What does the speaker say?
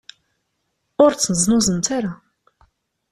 Ur ttneẓnuẓemt ara.